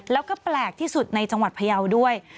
แล้วก็แปลกที่สุดในจังหวัดพยาวด้วย